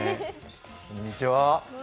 こんにちは。